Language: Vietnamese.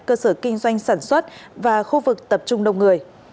cơ sở kinh doanh sản xuất và khu vực tập trung đông người